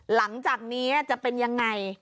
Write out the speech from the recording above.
หลังจากนี้จะเป็นยังไง